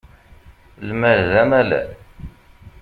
Lmal d amalal.